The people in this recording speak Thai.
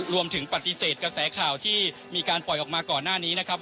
รวมถึงปฏิเสธกระแสข่าวที่มีการปล่อยออกมาก่อนหน้านี้นะครับ